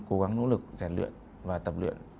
cố gắng nỗ lực rèn luyện và tập luyện